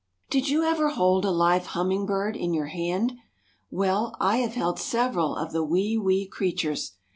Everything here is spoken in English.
Did you ever hold a live hummingbird in your hand? Well, I have held several of the wee, wee creatures.